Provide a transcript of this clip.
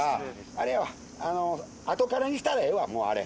あれやわ後からにしたらええわあれ。